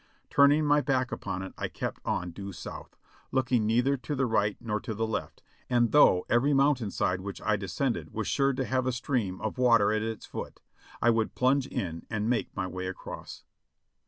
Turning my back upon it I kept on due south, looking neither to the right nor to the left, and though every mountain side v/hich I descended was sure to have a stream of w^ater at its foot, I would plunge in and make my way across.